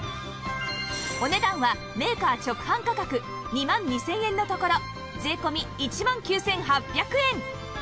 お値段はメーカー直販価格２万２０００円のところ税込１万９８００円